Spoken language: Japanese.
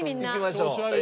いきましょう。